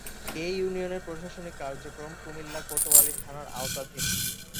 এ ইউনিয়নের প্রশাসনিক কার্যক্রম কুমিল্লা কোতোয়ালী থানার আওতাধীন।